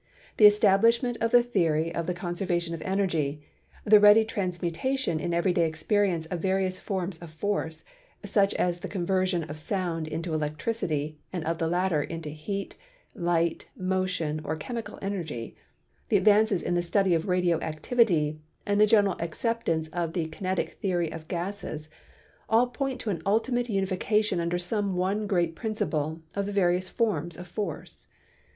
The establish ment of the theory of the Conservation of Energy; the ready transmutation in everyday experience of various forms of Force, such as the conversion of sound into elec tricity and of the latter into heat, light, motion or chemical energy; the advances in the study of radio activity and the general acceptance of the kinetic theory of gases all point to an ultimate unification under some one great principle of the various forms of force.